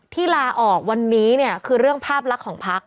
ลาออกวันนี้เนี่ยคือเรื่องภาพลักษณ์ของพัก